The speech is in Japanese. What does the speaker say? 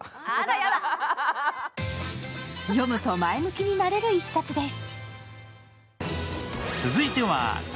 読むと前向きになれる１冊です。